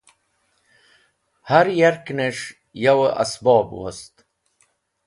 Har yarkẽnes̃h yo ẽsbob wost.